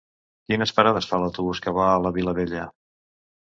Quines parades fa l'autobús que va a la Vilavella?